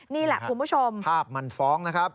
นี่แหละคุณผู้ชมภาพมันฟ้องนะครับ